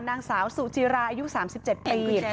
นางสาวสุจิราอายุ๓๗ปี